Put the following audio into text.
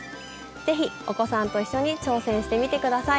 是非お子さんと一緒に挑戦してみて下さい。